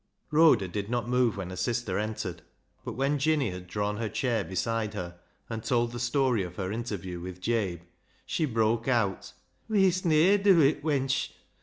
Rhoda did not move when her sister entered, but when Jinny had drawn her chair beside her, and told the story of her interview with Jabe, she broke out —" We'est ne'er dew it, wench